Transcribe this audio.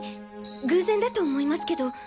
偶然だと思いますけど。